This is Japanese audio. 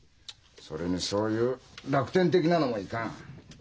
それにそういう楽天的なのもいかん。